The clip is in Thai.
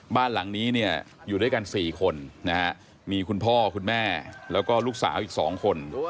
บ้านหลังนี้เนี่ยอยู่ด้วยกัน๔คนนะฮะมีคุณพ่อคุณแม่แล้วก็ลูกสาวอีก๒คน